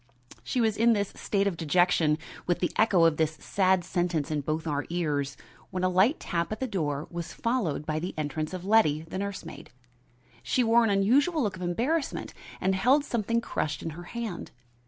She was in this state of dejection, with the echo of this sad sentence in both our ears, when a light tap at the door was followed by the entrance of Letty, the nurse maid. She wore an unusual look of embarrassment and held something crushed in her hand.